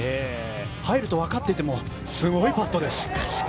入ると分かっていてもすごいパットです。